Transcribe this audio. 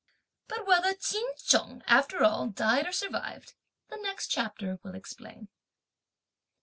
But whether Ch'in Chung, after all, died or survived, the next chapter will explain.